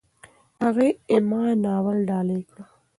هغې "اِما" ناول ډالۍ کړ.